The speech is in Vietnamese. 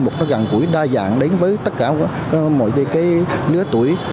một nó gần gũi đa dạng đến với tất cả mọi cái lứa tuổi